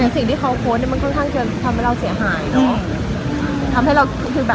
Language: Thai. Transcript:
อย่างสิ่งที่เขาโค้ดมันค่อนข้างจะทำให้เราเสียหายเนอะ